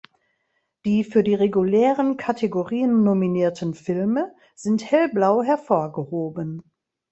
Die für die regulären Kategorien nominierten Filme sind hellblau hervorgehoben.